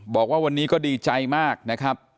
บอกว่าวันนี้ก็ดีใจมากนะครับ